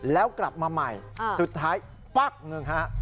แล้วกลับมาใหม่สุดท้ายปั๊กหนึ่งฮะ